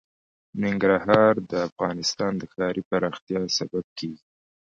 ننګرهار د افغانستان د ښاري پراختیا سبب کېږي.